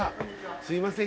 すいません